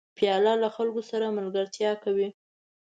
پیاله له خلکو سره ملګرتیا کوي.